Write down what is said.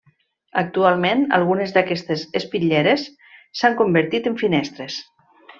Actualment, algunes d'aquestes espitlleres s'han convertit en finestres.